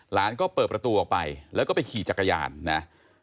หลานก็เปิดประตูออกไปแล้วก็ไปขี่จักรยานนะ